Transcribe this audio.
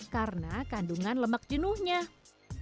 karena kandungan memiliki banyak kandungan yang berbeda